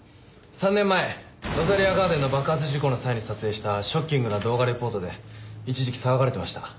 ３年前ロザリアガーデンの爆発事故の際に撮影したショッキングな動画レポートで一時期騒がれてました。